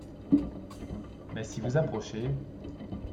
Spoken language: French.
Mais si vous approchez